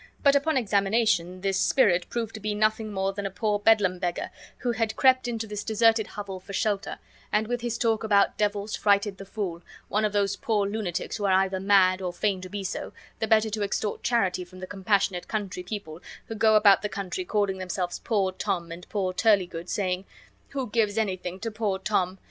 But upon examination this spirit proved to be nothing more than a poor Bedlam beggar who had crept into this deserted hovel for shelter, and with his talk about devils frighted the fool, one of those poor lunatics who are either mad, or feign to be so, the better to extort charity from the compassionate country people, who go about the country calling themselves poor Tom and poor Turlygood, saying, "Who gives anything to poor Tom?"